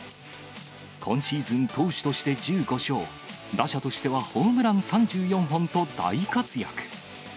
今シーズン投手として１５勝、打者としてはホームラン３４本と大活躍。